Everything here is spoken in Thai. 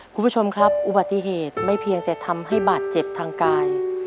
คุณผู้ชมครับอุบัติเหตุไม่เพียงแต่ทำให้บาดเจ็บทางกาย